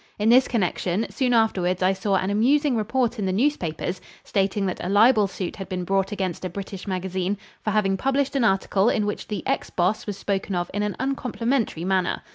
In this connection, soon afterwards I saw an amusing report in the newspapers stating that a libel suit had been brought against a British magazine for having published an article in which the ex boss was spoken of in an uncomplimentary manner.